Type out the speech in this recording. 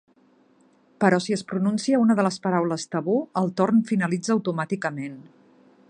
Però si es pronuncia una de les paraules tabú, el torn finalitza automàticament.